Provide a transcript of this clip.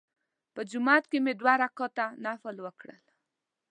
په جومات کې مې دوه رکعته نفل وکړل.